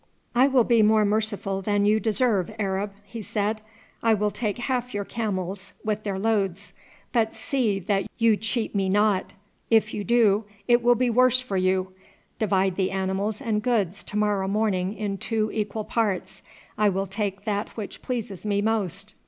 "I will be more merciful than you deserve, Arab," he said; "I will take half your camels with their loads; but see that you cheat me not; if you do, it will be worse for you. Divide the animals and goods to morrow morning in two equal parts. I will take that which pleases me most.